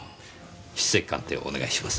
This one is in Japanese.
筆跡鑑定をお願いします。